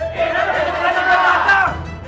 ayah ini benar benar emas